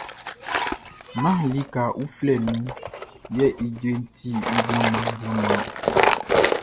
Nán lika uflɛ nun yɛ ijreʼn ti mlanmlanmlan ɔn.